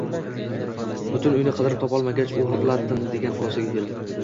Butun uyni qidirib, topolmagach, oʻgʻirlatdim degan xulosaga keldi